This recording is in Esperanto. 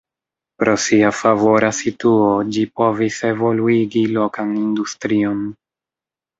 Pro sia favora situo ĝi povis evoluigi lokan industrion.